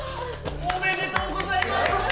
おめでとうございます！